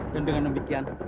dan dengan demikian